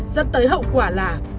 dẫn tới hậu quả là